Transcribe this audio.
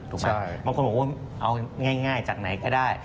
บางคนบอกว่าเอาง่ายจากไหนก็ได้